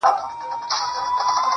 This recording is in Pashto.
ځکه که یوڅه فضول وي او فایده ونهلري